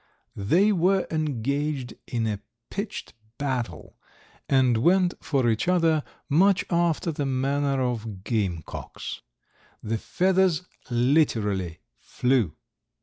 They were engaged in a pitched battle, and went for each other much after the manner of game cocks. The feathers literally flew.